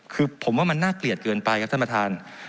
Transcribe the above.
คือผมว่ามันน่าเกลียดเกินไปครับท่านประธาน